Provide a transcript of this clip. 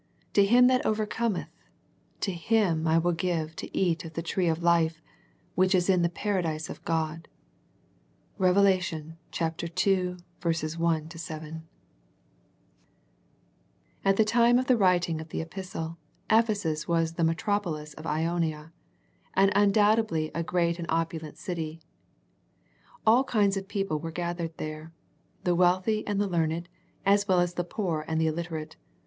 To him that overcometh, to him will I give to eat of the tree of life, which is in the Paradise of God." Rev. ii : 1 7. Ill THE EPHESUS LETTER A T the time of the writing of the epistle, Ephesus was the metropolis of Ionia, and undoubtedly a great and opulent city. All kinds of people were gathered there, the wealthy and the learned, as well as the poor and the illiterate.